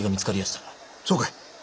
そうかい。